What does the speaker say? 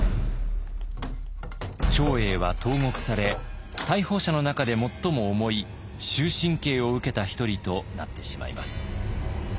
長英は投獄され逮捕者の中で最も重い終身刑を受けた一人となってしまいます。